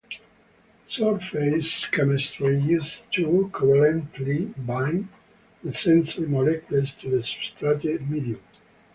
Surface chemistry is used to covalently bind the sensor molecules to the substrate medium.